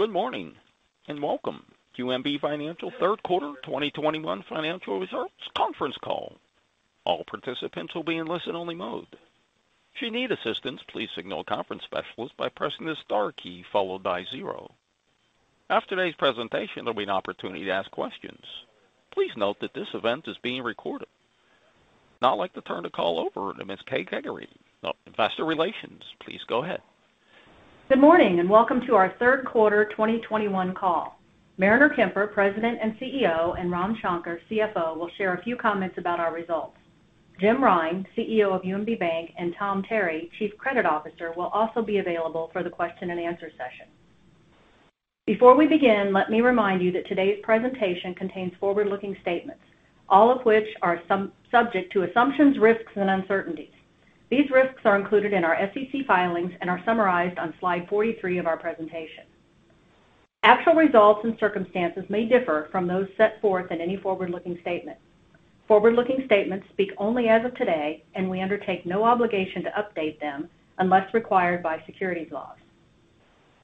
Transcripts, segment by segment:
Good morning and welcome to UMB Financial third quarter 2021 financial results conference call. All participants will be in listen-only mode. If you need assistance, please signal a conference specialist by pressing the star key followed by zero. After today's presentation, there'll be an opportunity to ask questions. Please note that this event is being recorded. Now I'd like to turn the call over to Ms. Kay Gregory of Investor Relations. Please go ahead. Good morning and welcome to our third quarter 2021 call. Mariner Kemper, President and CEO, and Ram Shankar, CFO, will share a few comments about our results. Jim Rine, CEO of UMB Bank, and Tom Terry, Chief Credit Officer, will also be available for the question-and-answer session. Before we begin, let me remind you that today's presentation contains forward-looking statements, all of which are subject to assumptions, risks, and uncertainties. These risks are included in our SEC filings and are summarized on slide 43 of our presentation. Actual results and circumstances may differ from those set forth in any forward-looking statement. Forward-looking statements speak only as of today, and we undertake no obligation to update them unless required by securities laws.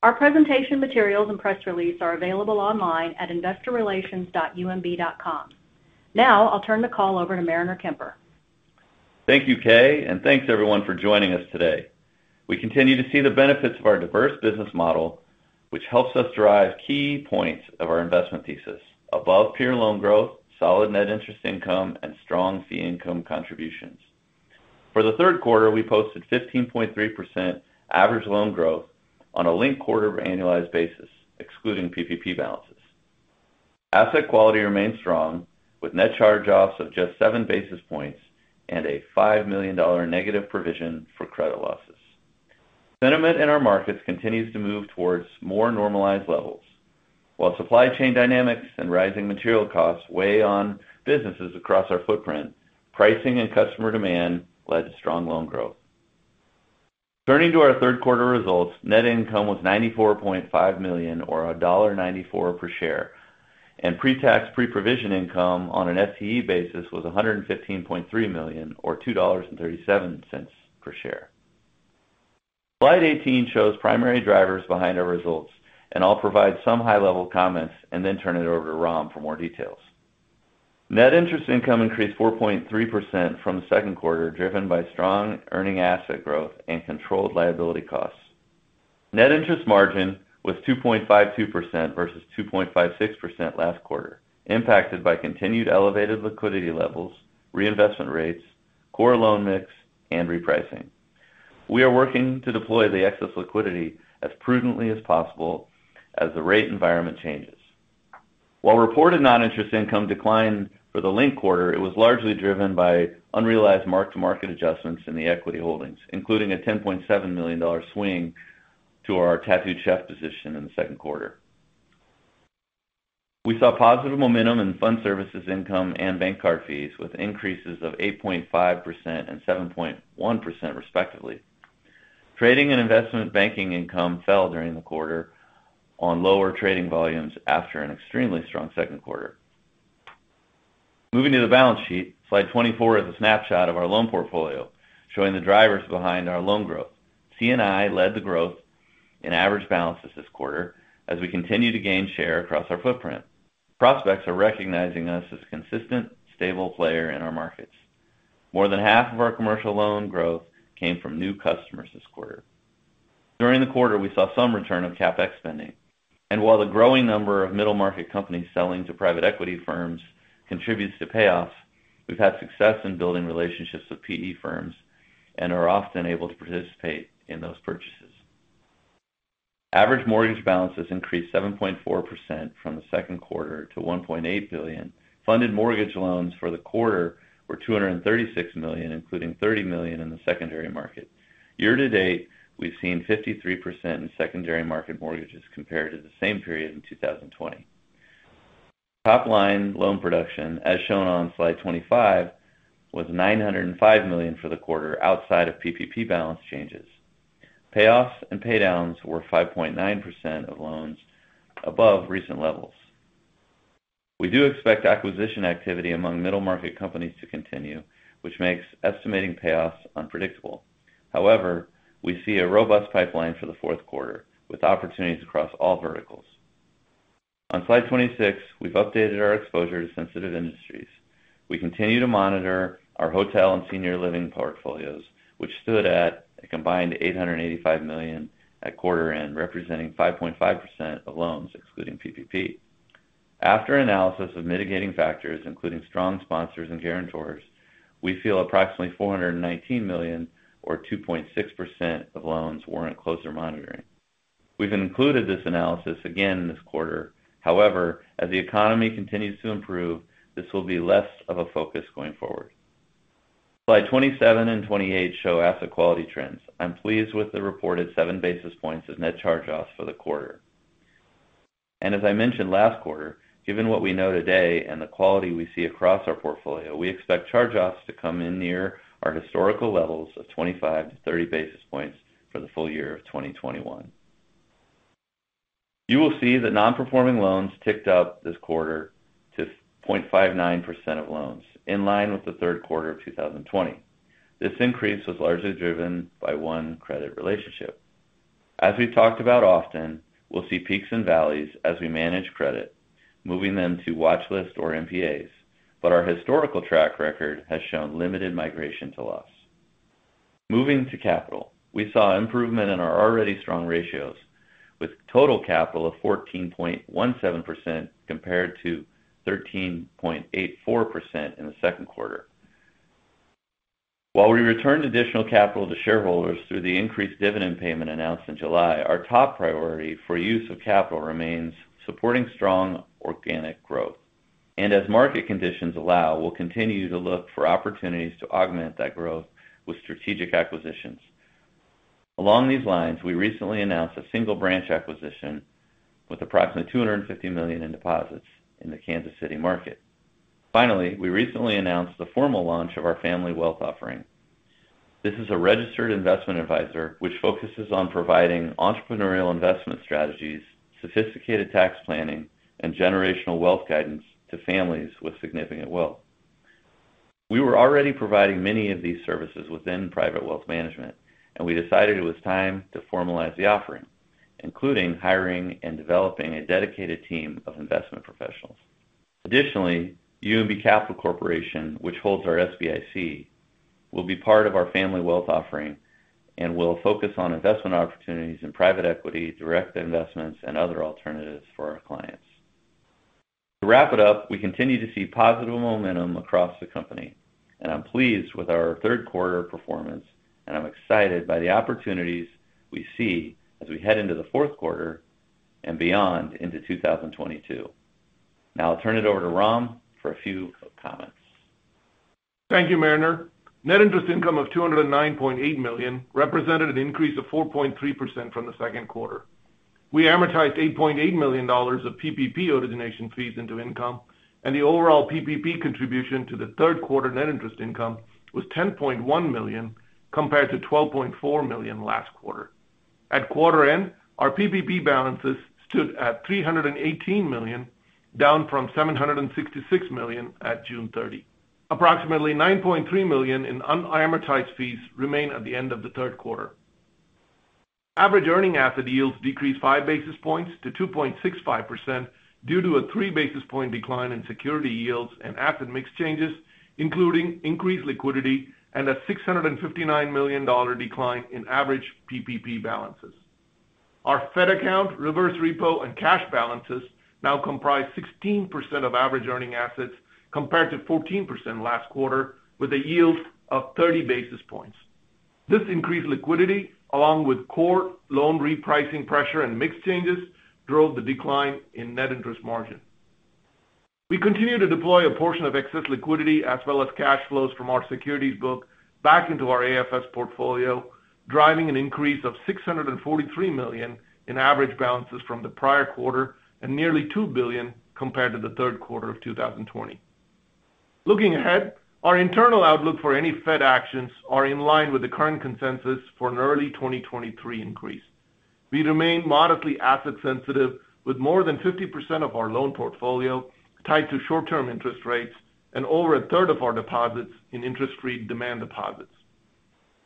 Our presentation materials and press release are available online at investorrelations.umb.com. Now I'll turn the call over to Mariner Kemper. Thank you, Kay, and thanks everyone for joining us today. We continue to see the benefits of our diverse business model, which helps us drive key points of our investment thesis, above-peer loan growth, solid net interest income, and strong fee income contributions. For the third quarter, we posted 15.3% average loan growth on a linked quarter annualized basis, excluding PPP balances. Asset quality remains strong, with net charge-offs of just 7 basis points and a $5 million negative provision for credit losses. Sentiment in our markets continues to move towards more normalized levels. While supply chain dynamics and rising material costs weigh on businesses across our footprint, pricing and customer demand led to strong loan growth. Turning to our third quarter results, net income was $94.5 million or $1.94 per share, and pre-tax, pre-provision income on an FTE basis was $115.3 million or $2.37 per share. Slide 18 shows primary drivers behind our results, and I'll provide some high-level comments and then turn it over to Ram for more details. Net interest income increased 4.3% from the second quarter, driven by strong earning asset growth and controlled liability costs. Net interest margin was 2.52% versus 2.56% last quarter, impacted by continued elevated liquidity levels, reinvestment rates, core loan mix, and repricing. We are working to deploy the excess liquidity as prudently as possible as the rate environment changes. While reported non-interest income declined for the linked quarter, it was largely driven by unrealized mark-to-market adjustments in the equity holdings, including a $10.7 million swing to our Tattooed Chef position in the second quarter. We saw positive momentum in fund services income and bank card fees, with increases of 8.5% and 7.1%, respectively. Trading and investment banking income fell during the quarter on lower trading volumes after an extremely strong second quarter. Moving to the balance sheet, slide 24 is a snapshot of our loan portfolio, showing the drivers behind our loan growth. C&I led the growth in average balances this quarter as we continue to gain share across our footprint. Prospects are recognizing us as a consistent, stable player in our markets. More than half of our commercial loan growth came from new customers this quarter. During the quarter, we saw some return of CapEx spending. While the growing number of middle-market companies selling to private equity firms contributes to payoffs, we've had success in building relationships with PE firms and are often able to participate in those purchases. Average mortgage balances increased 7.4% from the second quarter to $1.8 billion. Funded mortgage loans for the quarter were $236 million, including $30 million in the secondary market. Year-to-date, we've seen 53% in secondary market mortgages compared to the same period in 2020. Top-line loan production, as shown on slide 25, was $905 million for the quarter outside of PPP balance changes. Payoffs and paydowns were 5.9% of loans above recent levels. We do expect acquisition activity among middle-market companies to continue, which makes estimating payoffs unpredictable. However, we see a robust pipeline for the fourth quarter, with opportunities across all verticals. On slide 26, we've updated our exposure to sensitive industries. We continue to monitor our hotel and senior living portfolios, which stood at a combined $885 million at quarter-end, representing 5.5% of loans excluding PPP. After analysis of mitigating factors, including strong sponsors and guarantors, we feel approximately $419 million or 2.6% of loans warrant closer monitoring. We've included this analysis again this quarter. However, as the economy continues to improve, this will be less of a focus going forward. Slide 27 and 28 show asset quality trends. I'm pleased with the reported 7 basis points of net charge-offs for the quarter. As I mentioned last quarter, given what we know today and the quality we see across our portfolio, we expect charge-offs to come in near our historical levels of 25-30 basis points for the full year of 2021. You will see that non-performing loans ticked up this quarter to 0.59% of loans, in line with the third quarter of 2020. This increase was largely driven by one credit relationship. As we've talked about often, we'll see peaks and valleys as we manage credit, moving them to watch list or NPAs, but our historical track record has shown limited migration to loss. Moving to capital. We saw improvement in our already strong ratios with total capital of 14.17% compared to 13.84% in the second quarter. While we returned additional capital to shareholders through the increased dividend payment announced in July, our top priority for use of capital remains supporting strong organic growth. As market conditions allow, we'll continue to look for opportunities to augment that growth with strategic acquisitions. Along these lines, we recently announced a single branch acquisition with approximately $250 million in deposits in the Kansas City market. Finally, we recently announced the formal launch of our family wealth offering. This is a registered investment advisor which focuses on providing entrepreneurial investment strategies, sophisticated tax planning, and generational wealth guidance to families with significant wealth. We were already providing many of these services within private wealth management, and we decided it was time to formalize the offering, including hiring and developing a dedicated team of investment professionals. Additionally, UMB Capital Corporation, which holds our SBIC, will be part of our family wealth offering and will focus on investment opportunities in private equity, direct investments, and other alternatives for our clients. To wrap it up, we continue to see positive momentum across the company, and I'm pleased with our third quarter performance, and I'm excited by the opportunities we see as we head into the fourth quarter and beyond into 2022. Now I'll turn it over to Ram for a few comments. Thank you, Mariner. Net interest income of $209.8 million represented an increase of 4.3% from the second quarter. We amortized $8.8 million of PPP origination fees into income, and the overall PPP contribution to the third quarter net interest income was $10.1 million compared to $12.4 million last quarter. At quarter end, our PPP balances stood at $318 million, down from $766 million at June 30. Approximately $9.3 million in unamortized fees remain at the end of the third quarter. Average earning asset yields decreased 5 basis points to 2.65% due to a 3 basis point decline in security yields and asset mix changes, including increased liquidity and a $659 million decline in average PPP balances. Our Fed account, reverse repo, and cash balances now comprise 16% of average earning assets compared to 14% last quarter with a yield of 30 basis points. This increased liquidity, along with core loan repricing pressure and mix changes, drove the decline in net interest margin. We continue to deploy a portion of excess liquidity as well as cash flows from our securities book back into our AFS portfolio, driving an increase of $643 million in average balances from the prior quarter and nearly $2 billion compared to the third quarter of 2020. Looking ahead, our internal outlook for any Fed actions are in line with the current consensus for an early 2023 increase. We remain modestly asset sensitive with more than 50% of our loan portfolio tied to short-term interest rates and over a third of our deposits in interest-free demand deposits.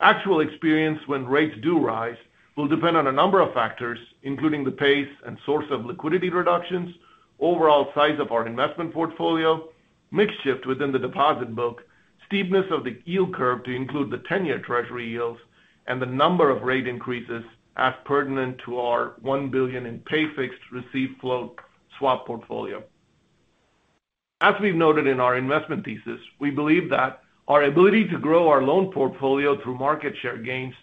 Actual experience when rates do rise will depend on a number of factors, including the pace and source of liquidity reductions, overall size of our investment portfolio, mix shift within the deposit book, steepness of the yield curve to include the 10-year Treasury yields, and the number of rate increases as pertinent to our $1 billion in pay fixed receive float swap portfolio. As we've noted in our investment thesis, we believe that our ability to grow our loan portfolio through market share gains,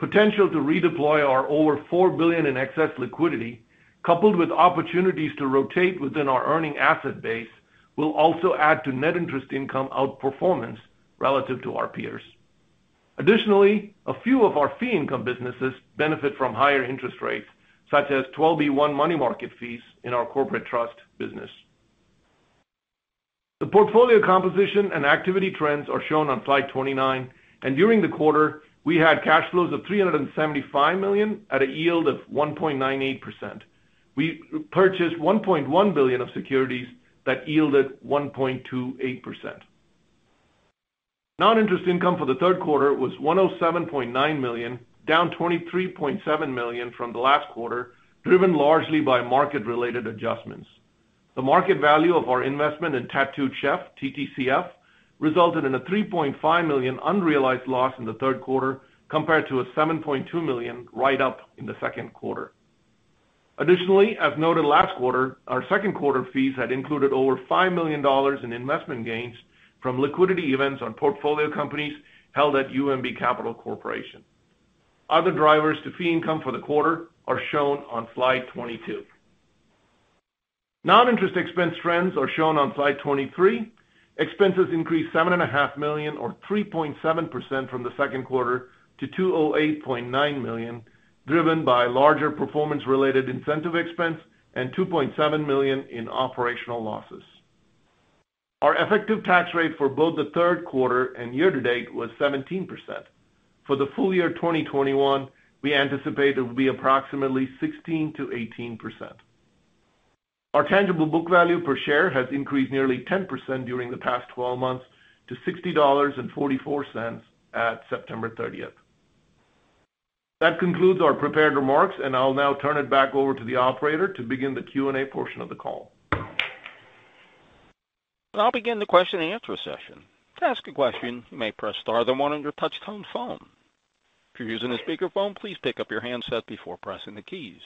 potential to redeploy our over $4 billion in excess liquidity, coupled with opportunities to rotate within our earning asset base, will also add to net interest income outperformance relative to our peers. Additionally, a few of our fee income businesses benefit from higher interest rates, such as 12b-1 money market fees in our corporate trust business. The portfolio composition and activity trends are shown on slide 29, and during the quarter, we had cash flows of $375 million at a yield of 1.98%. We purchased $1.1 billion of securities that yielded 1.28%. Non-interest income for the third quarter was $107.9 million, down $23.7 million from the last quarter, driven largely by market-related adjustments. The market value of our investment in Tattooed Chef, TTCF, resulted in a $3.5 million unrealized loss in the third quarter compared to a $7.2 million write-up in the second quarter. Additionally, as noted last quarter, our second quarter fees had included over $5 million in investment gains from liquidity events on portfolio companies held at UMB Capital Corporation. Other drivers to fee income for the quarter are shown on slide 22. Non-interest expense trends are shown on slide 23. Expenses increased $7.5 million or 3.7% from the second quarter to $208.9 million, driven by larger performance-related incentive expense and $2.7 million in operational losses. Our effective tax rate for both the third quarter and year to date was 17%. For the full year 2021, we anticipate it will be approximately 16%-18%. Our tangible book value per share has increased nearly 10% during the past 12 months to $60.44 at September 30th. That concludes our prepared remarks, and I'll now turn it back over to the operator to begin the Q and A portion of the call. I'll begin the question-and-answer session. To ask a question, you may press star then one on your touch-tone phone. If you're using a speakerphone, please pick up your handset before pressing the keys.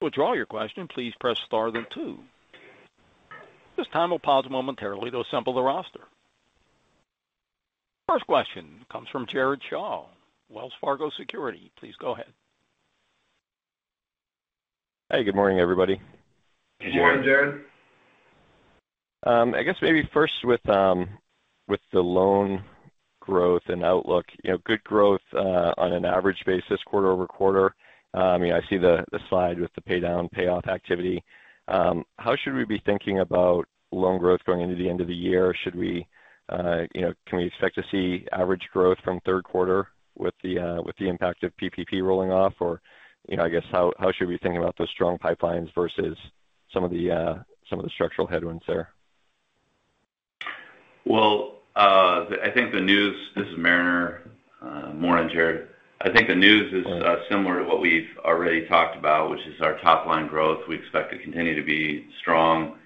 To withdraw your question, please press star then two. At this time, we'll pause momentarily to assemble the roster. First question comes from Jared Shaw, Wells Fargo Securities. Please go ahead. Hey, good morning, everybody. Good morning. Good morning, Jared. I guess maybe first with the loan growth and outlook. You know, good growth on an average basis quarter-over-quarter. Yeah, I see the slide with the pay down, payoff activity. How should we be thinking about loan growth going into the end of the year? Should we, you know, can we expect to see average growth from third quarter with the impact of PPP rolling off? Or, you know, I guess how should we think about those strong pipelines versus some of the structural headwinds there? This is Mariner. Morning, Jared. I think the news is similar to what we've already talked about, which is our top line growth we expect to continue to be strong.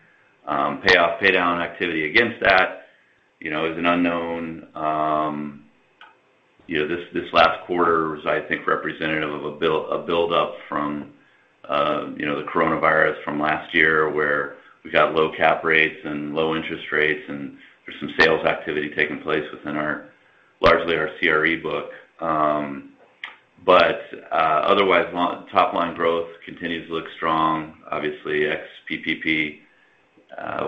Payoff, pay down activity against that, you know, is an unknown. You know, this last quarter was, I think, representative of a buildup from the coronavirus from last year where we got low cap rates and low interest rates, and there's some sales activity taking place within our largely CRE book. Otherwise, top line growth continues to look strong. Obviously, ex-PPP,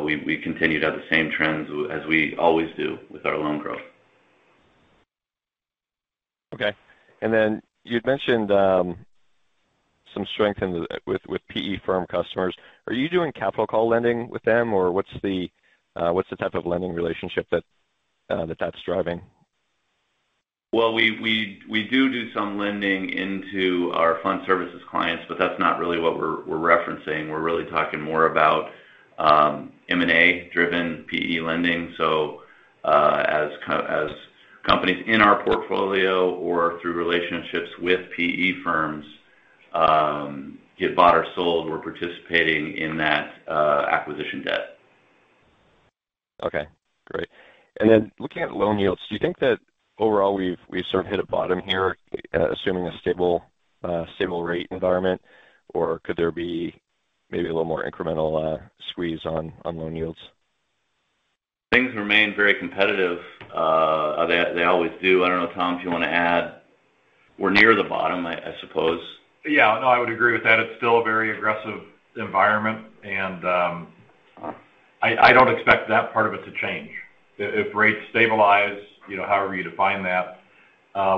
we continue to have the same trends as we always do with our loan growth. Okay. You'd mentioned some strength with PE firm customers. Are you doing capital call lending with them, or what's the type of lending relationship that that's driving? Well, we do some lending into our fund services clients, but that's not really what we're referencing. We're really talking more about M&A driven PE lending. As companies in our portfolio or through relationships with PE firms get bought or sold, we're participating in that acquisition debt. Okay, great. Looking at loan yields, do you think that overall we've sort of hit a bottom here, assuming a stable rate environment? Or could there be maybe a little more incremental squeeze on loan yields? Things remain very competitive. They always do. I don't know, Tom, if you want to add. We're near the bottom, I suppose. Yeah. No, I would agree with that. It's still a very aggressive environment, and I don't expect that part of it to change. If rates stabilize, you know, however you define that,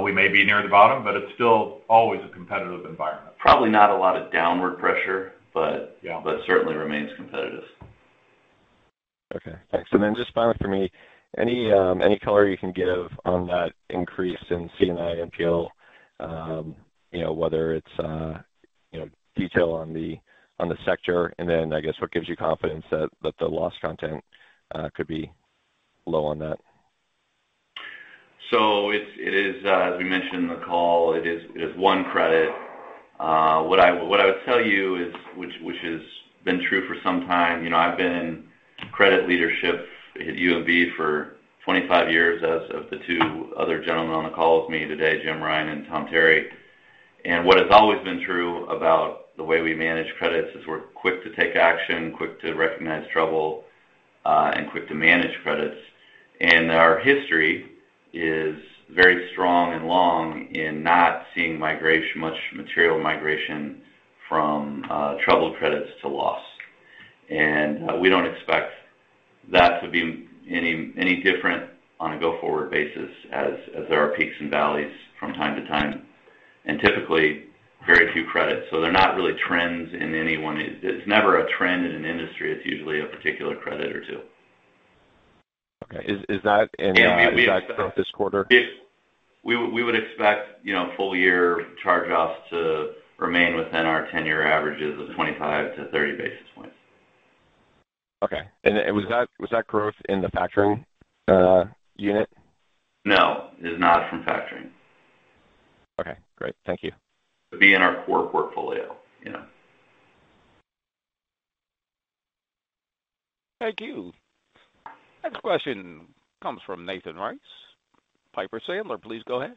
we may be near the bottom, but it's still always a competitive environment. Probably not a lot of downward pressure, but Yeah. Certainly remains competitive. Okay. Thanks. Just finally for me, any color you can give on that increase in C&I NPL, you know, whether it's, you know, detail on the sector, and then I guess what gives you confidence that the loss content could be low on that? It is, as we mentioned in the call, one credit. What I would tell you is, which has been true for some time, you know, I've been in credit leadership at UMB for 25 years as have the two other gentlemen on the call with me today, Jim Rine and Tom Terry. What has always been true about the way we manage credits is we're quick to take action, quick to recognize trouble, and quick to manage credits. Our history is very strong and long in not seeing much material migration from troubled credits to loss. We don't expect that to be any different on a go-forward basis as there are peaks and valleys from time to time, and typically very few credits. They're not really trends in any one. It's never a trend in an industry. It's usually a particular credit or two. Okay. Is that in Yeah, we expect- Is that throughout this quarter? We would expect, you know, full-year charge-offs to remain within our 10 year averages of 25-30 basis points. Okay. Was that growth in the factoring unit? No, it is not from factoring. Okay, great. Thank you. It would be in our core portfolio, you know. Thank you. Next question comes from Nathan Race, Piper Sandler. Please go ahead.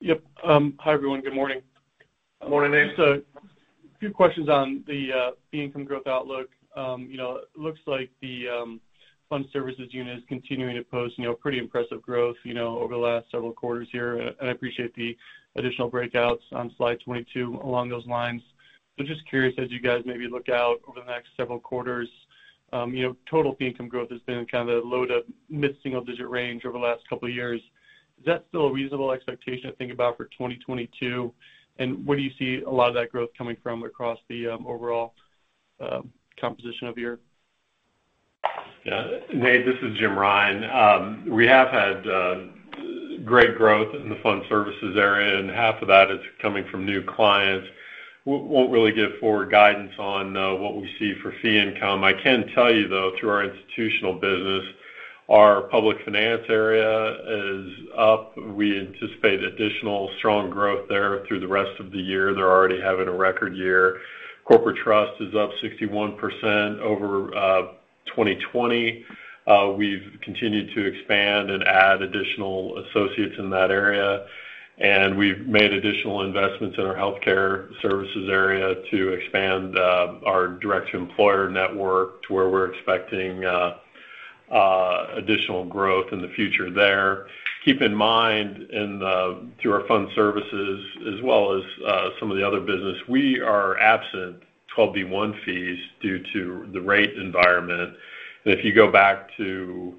Yep. Hi, everyone. Good morning. Morning, Nathan. A few questions on the fee income growth outlook. You know, it looks like the fund services unit is continuing to post you know, pretty impressive growth you know, over the last several quarters here. I appreciate the additional breakouts on slide 22 along those lines. Just curious, as you guys maybe look out over the next several quarters, you know, total fee income growth has been kind of low- to mid-single-digit range over the last couple of years. Is that still a reasonable expectation to think about for 2022? Where do you see a lot of that growth coming from across the overall composition of your- Yeah. Nate, this is Jim Rine. We have had great growth in the fund services area, and half of that is coming from new clients. Won't really give forward guidance on what we see for fee income. I can tell you, though, through our institutional business, our public finance area is up. We anticipate additional strong growth there through the rest of the year. They're already having a record year. Corporate trust is up 61% over 2020. We've continued to expand and add additional associates in that area, and we've made additional investments in our healthcare services area to expand our direct employer network to where we're expecting additional growth in the future there. Keep in mind, through our fund services as well as some of the other business, we are absent 12b-1 fees due to the rate environment. If you go back to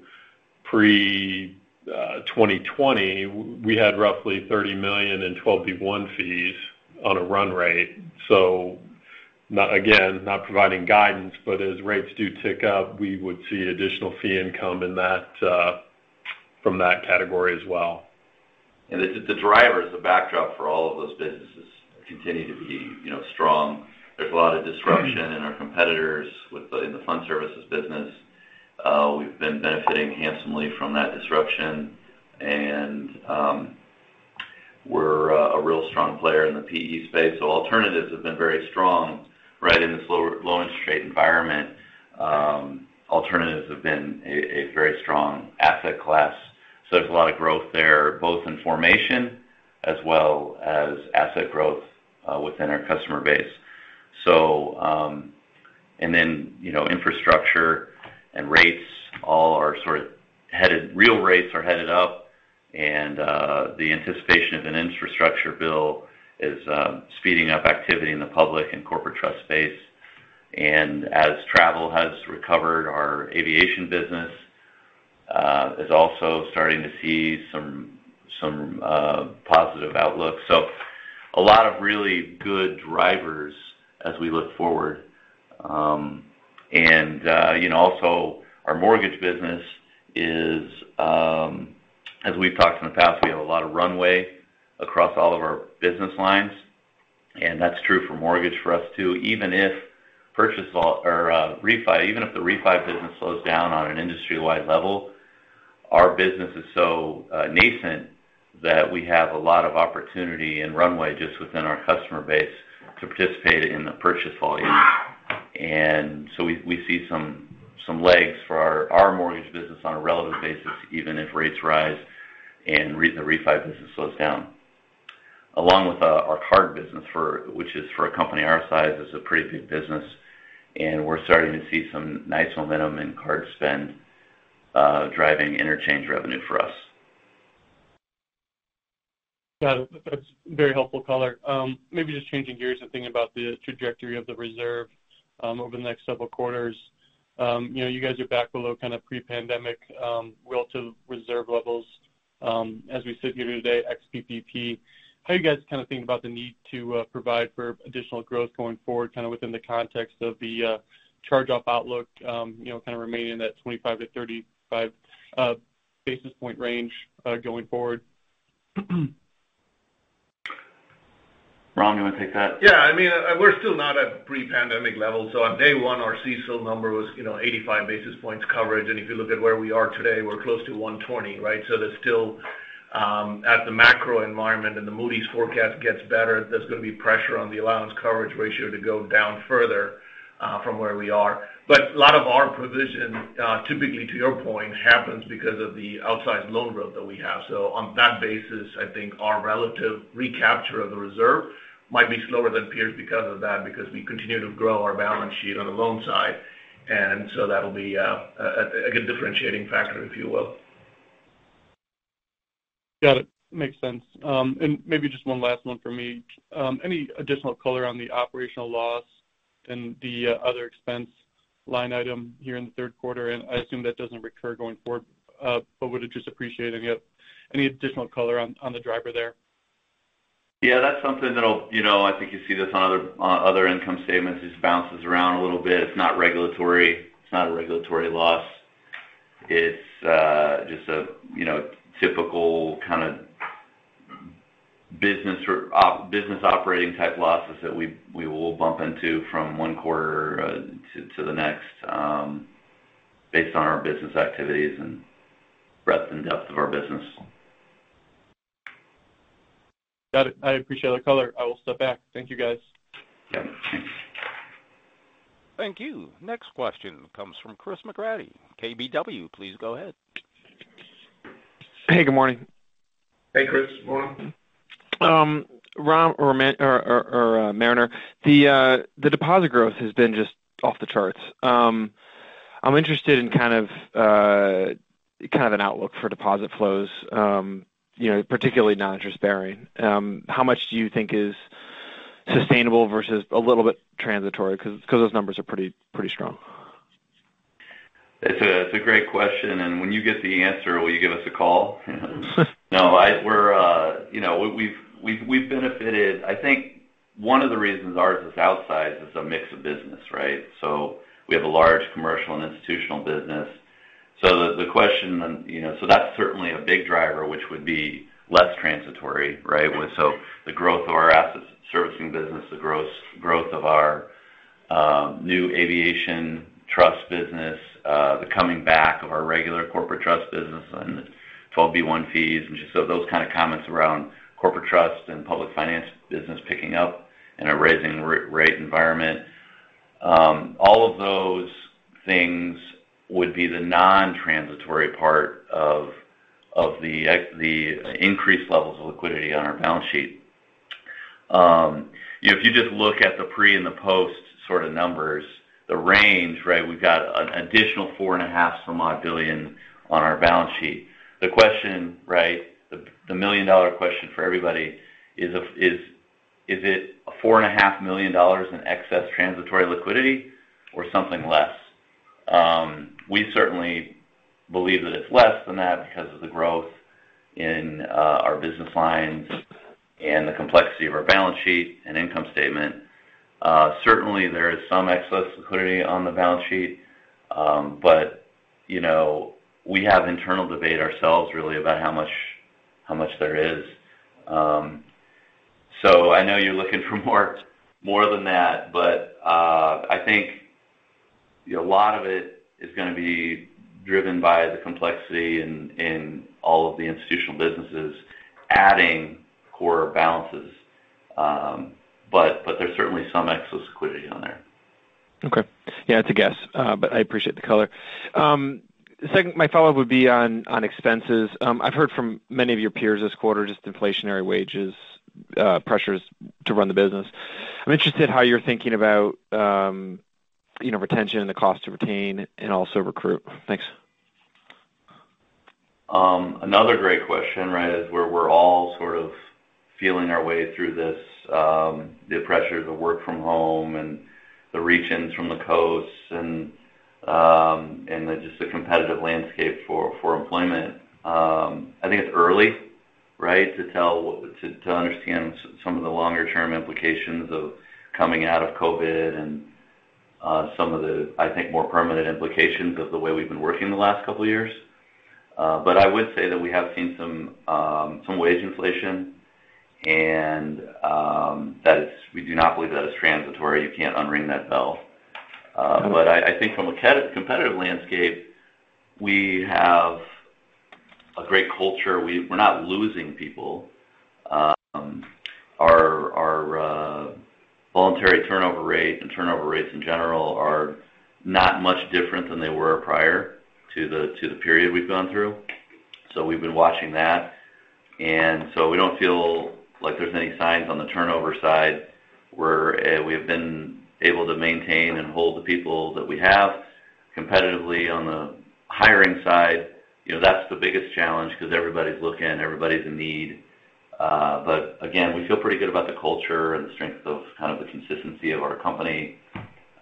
pre-2020, we had roughly $30 million in 12b-1 fees on a run rate. Again, not providing guidance, but as rates do tick up, we would see additional fee income in that from that category as well. The drivers, the backdrop for all of those businesses continue to be, you know, strong. There's a lot of disruption in our competitors in the fund services business. We've been benefiting handsomely from that disruption. We're a real strong player in the PE space. So alternatives have been very strong. Right? In this low interest rate environment, alternatives have been a very strong asset class. So there's a lot of growth there, both in formation as well as asset growth within our customer base. Infrastructure and rates all are sort of headed up, real rates are headed up. The anticipation of an infrastructure bill is speeding up activity in the public and corporate trust space. As travel has recovered, our aviation business is also starting to see some positive outlook. A lot of really good drivers as we look forward. You know, also our mortgage business is, as we've talked in the past, we have a lot of runway across all of our business lines, and that's true for mortgage for us too. Even if the refi business slows down on an industry-wide level, our business is so nascent that we have a lot of opportunity and runway just within our customer base to participate in the purchase volume. We see some legs for our mortgage business on a relative basis, even if rates rise and the refi business slows down. Along with our card business which is, for a company our size, a pretty big business. We're starting to see some nice momentum in card spend, driving interchange revenue for us. Got it. That's very helpful color. Maybe just changing gears and thinking about the trajectory of the reserve over the next several quarters. You know, you guys are back below kind of pre-pandemic relative reserve levels as we sit here today, ex PPP. How are you guys kind of thinking about the need to provide for additional growth going forward, kind of within the context of the charge-off outlook, you know, kind of remaining in that 25-35 basis point range going forward? Ram, you want to take that? Yeah. I mean, we're still not at pre-pandemic levels. On day one, our CECL number was, you know, 85 basis points coverage. If you look at where we are today, we're close to 120, right? There's still, as the macro environment and the Moody's forecast gets better, there's going to be pressure on the allowance coverage ratio to go down further, from where we are. A lot of our provision, typically, to your point, happens because of the outsized loan growth that we have. On that basis, I think our relative recapture of the reserve might be slower than peers because of that, because we continue to grow our balance sheet on the loan side. That'll be a good differentiating factor, if you will. Got it. Makes sense. Maybe just one last one for me. Any additional color on the operational loss and the other expense line item here in the third quarter? I assume that doesn't recur going forward. Would just appreciate any additional color on the driver there. Yeah, that's something that'll, you know, I think you see this on other income statements. It just bounces around a little bit. It's not regulatory. It's not a regulatory loss. It's just a, you know, typical kind of business operating type losses that we will bump into from one quarter to the next based on our business activities and breadth and depth of our business. Got it. I appreciate the color. I will step back. Thank you, guys. Yeah. Thank you. Next question comes from Chris McGratty, KBW. Please go ahead. Hey, good morning. Hey, Chris. Morning. Ram or Mariner, the deposit growth has been just off the charts. I'm interested in kind of an outlook for deposit flows, you know, particularly non-interest bearing. How much do you think is sustainable versus a little bit transitory? 'Cause those numbers are pretty strong. It's a great question. When you get the answer, will you give us a call? No. You know, we've benefited. I think one of the reasons ours is outsized is a mix of business, right? We have a large commercial and institutional business. The question, then, you know, that's certainly a big driver, which would be less transitory, right? The growth of our asset servicing business, the growth of our new aviation trust business, the coming back of our regular corporate trust business and 12b-1 fees. Just so those kind of comments around corporate trust and public finance business picking up in a rising rate environment. All of those things would be the non-transitory part of the increased levels of liquidity on our balance sheet. You know, if you just look at the pre and the post sort of numbers, the range, right, we've got an additional $4.5 billion or so on our balance sheet. The question, right, the million-dollar question for everybody is it $4.5 million in excess transitory liquidity or something less? We certainly believe that it's less than that because of the growth in our business lines and the complexity of our balance sheet and income statement. Certainly, there is some excess liquidity on the balance sheet, but, you know, we have internal debate ourselves really about how much there is. I know you're looking for more than that, but I think a lot of it is gonna be driven by the complexity in all of the institutional businesses adding core balances. There's certainly some excess liquidity on there. Okay. Yeah, it's a guess, but I appreciate the color. Second, my follow-up would be on expenses. I've heard from many of your peers this quarter, just inflationary wages pressures to run the business. I'm interested how you're thinking about, you know, retention and the cost to retain and also recruit. Thanks. Another great question, right? We're all sort of feeling our way through this, the pressure to work from home and the reaches in from the coasts and just the competitive landscape for employment. I think it's early, right? To understand some of the longer-term implications of coming out of COVID and some of the, I think, more permanent implications of the way we've been working the last couple of years. I would say that we have seen some wage inflation and that we do not believe that it's transitory. You can't unring that bell. I think from a competitive landscape, we have a great culture. We're not losing people. Our voluntary turnover rate and turnover rates in general are not much different than they were prior to the period we've gone through. We've been watching that. We don't feel like there's any signs on the turnover side. We've been able to maintain and hold the people that we have competitively on the hiring side. You know, that's the biggest challenge because everybody's looking, everybody's in need. Again, we feel pretty good about the culture and the strength of kind of the consistency of our company,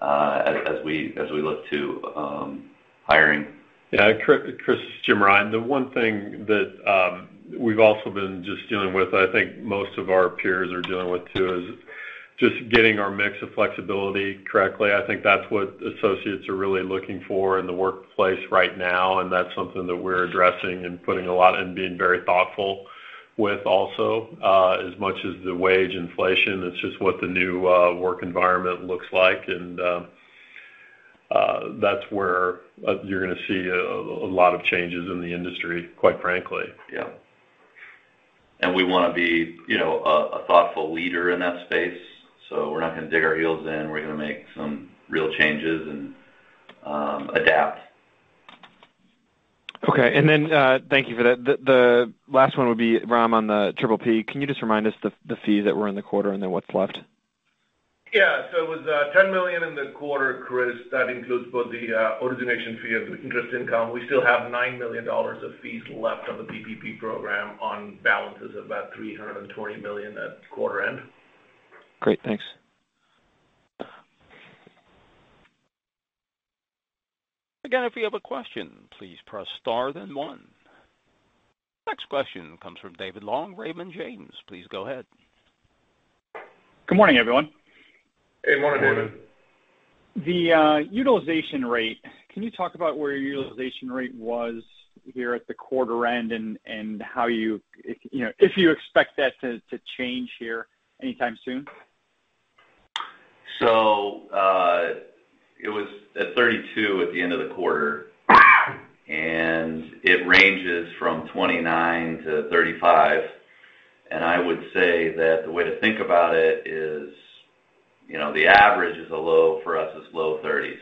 as we look to hiring. Yeah, Chris, Jim Rine. The one thing that we've also been just dealing with, I think most of our peers are dealing with too, is just getting our mix of flexibility correctly. I think that's what associates are really looking for in the workplace right now, and that's something that we're addressing and putting a lot in, being very thoughtful with also. As much as the wage inflation, it's just what the new work environment looks like. That's where you're going to see a lot of changes in the industry, quite frankly. Yeah. We want to be, you know, a thoughtful leader in that space. We're not going to dig our heels in. We're going to make some real changes and adapt. Okay. Thank you for that. The last one would be, Ram, on the PPP. Can you just remind us the fees that were in the quarter and then what's left? It was $10 million in the quarter, Chris. That includes both the origination fee and the interest income. We still have $9 million of fees left on the PPP program on balances of about $320 million at quarter end. Great. Thanks. Again, if you have a question, please press star then one. Next question comes from David Long, Raymond James. Please go ahead. Good morning, everyone. Good morning, David. Morning. The utilization rate. Can you talk about where your utilization rate was here at the quarter end and if, you know, if you expect that to change here anytime soon? It was at 32 at the end of the quarter. It ranges from 29-35, and I would say that the way to think about it is, you know, the average is a low for us is low 30s.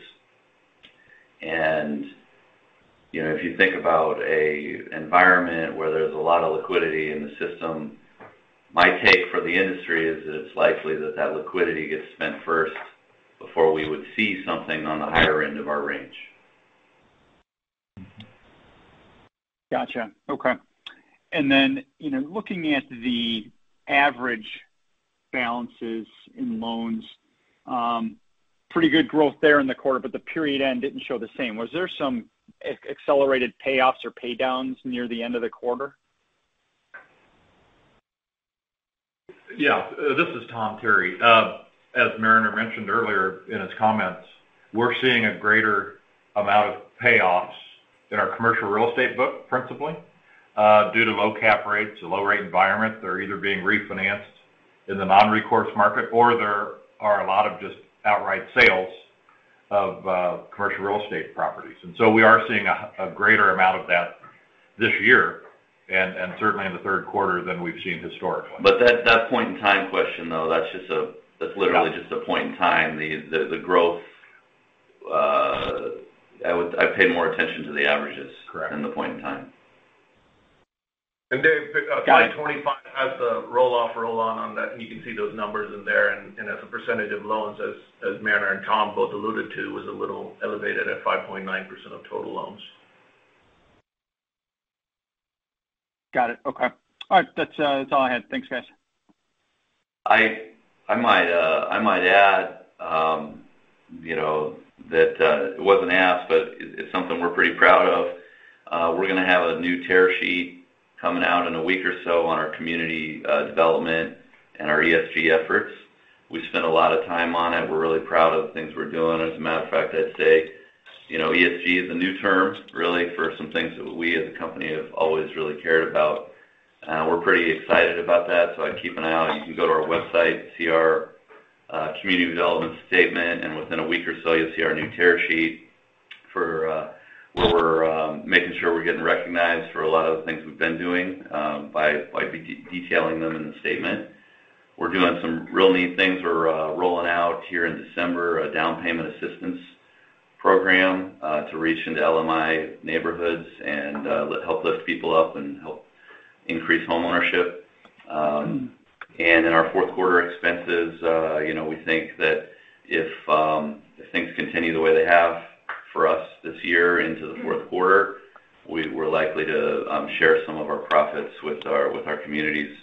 If you think about an environment where there's a lot of liquidity in the system, my take for the industry is that it's likely that liquidity gets spent first before we would see something on the higher end of our range. Gotcha. Okay. You know, looking at the average balances in loans. Pretty good growth there in the quarter, but the period end didn't show the same. Was there some accelerated payoffs or pay downs near the end of the quarter? Yeah. This is Tom Terry. As Mariner mentioned earlier in his comments, we're seeing a greater amount of payoffs in our commercial real estate book, principally due to low cap rates, a low rate environment. They're either being refinanced in the non-recourse market or there are a lot of just outright sales of commercial real estate properties. We are seeing a greater amount of that this year and certainly in the third quarter than we've seen historically. That point in time question, though, that's just a point in time. That's literally just a point in time. The growth, I pay more attention to the averages- Correct. Than the point in time. David, Slide 25 has the roll off, roll on that, and you can see those numbers in there. As a percentage of loans, as Mariner and Tom both alluded to, it was a little elevated at 5.9% of total loans. Got it. Okay. All right. That's all I had. Thanks, guys. I might add, you know, that it wasn't asked, but it's something we're pretty proud of. We're gonna have a new tear sheet coming out in a week or so on our community development and our ESG efforts. We spent a lot of time on it. We're really proud of the things we're doing. As a matter of fact, I'd say, you know, ESG is a new term really for some things that we as a company have always really cared about. We're pretty excited about that, so I'd keep an eye out. You can go to our website, see our community development statement, and within a week or so you'll see our new tear sheet for where we're making sure we're getting recognized for a lot of the things we've been doing, by detailing them in the statement. We're doing some real neat things. We're rolling out here in December a down payment assistance program to reach into LMI neighborhoods and help lift people up and help increase homeownership. In our fourth quarter expenses, you know, we think that if things continue the way they have for us this year into the fourth quarter, we're likely to share some of our profits with our communities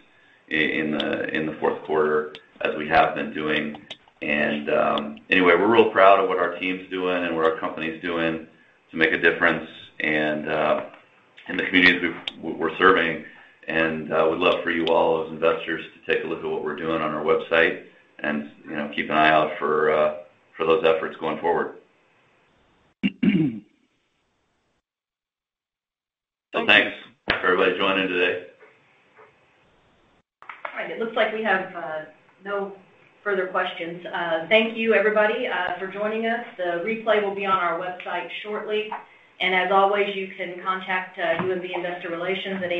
in the fourth quarter as we have been doing. Anyway, we're real proud of what our team's doing and what our company's doing to make a difference in the communities we're serving. We would love for you all as investors to take a look at what we're doing on our website. You know, keep an eye out for those efforts going forward. Thanks for everybody joining today. All right. It looks like we have no further questions. Thank you, everybody, for joining us. The replay will be on our website shortly. As always, you can contact UMB Investor Relations at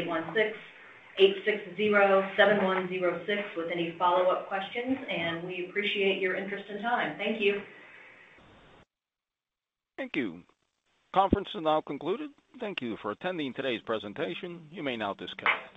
816-860-7106 with any follow-up questions, and we appreciate your interest and time. Thank you. Thank you. Conference is now concluded. Thank you for attending today's presentation. You may now disconnect.